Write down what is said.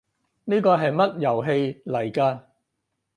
呢個係乜遊戲嚟㗎？